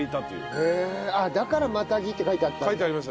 へえあっだから「マタギ」って書いてあったんだ。